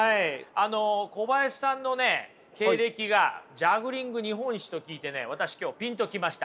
あの小林さんのね経歴がジャグリング日本一と聞いてね私今日ピンと来ました。